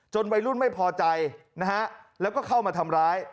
วัยรุ่นไม่พอใจนะฮะแล้วก็เข้ามาทำร้าย